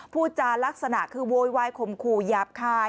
พูดจารักษณะคือโวยวายข่มขู่หยาบคาย